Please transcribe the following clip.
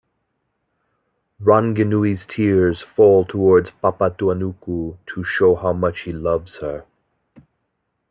Ranginui's tears fall towards Papatuanuku to show how much he loves her.